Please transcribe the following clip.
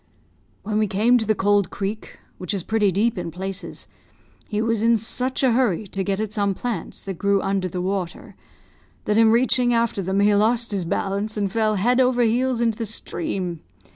"When we came to the Cold Creek, which is pretty deep in places, he was in such a hurry to get at some plants that grew under the water, that in reaching after them he lost his balance and fell head over heels into the stream.